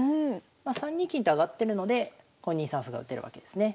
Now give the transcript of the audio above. まあ３二金と上がってるのでここに２三歩が打てるわけですね。